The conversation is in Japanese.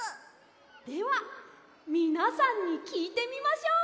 ではみなさんにきいてみましょう！